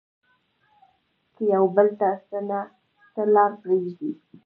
که يو بل ته څه نه څه لار پرېږدي